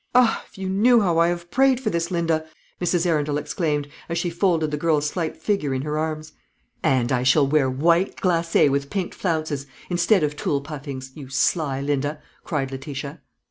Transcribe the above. "Ah, if you knew how I have prayed for this, Linda!" Mrs. Arundel exclaimed, as she folded the girl's slight figure in her arms. "And I shall wear white glacé with pinked flounces, instead of tulle puffings, you sly Linda," cried Letitia.